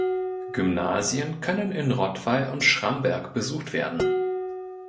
Gymnasien können in Rottweil und Schramberg besucht werden.